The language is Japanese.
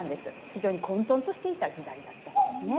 非常に混とんとしていた時代だったんですね。